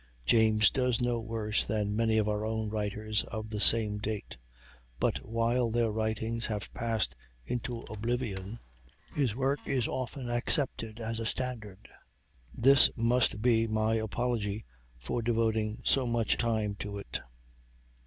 James does no worse than many of our own writers of the same date; but while their writings have passed into oblivion, his work is still often accepted as a standard. This must be my apology for devoting so much time to it.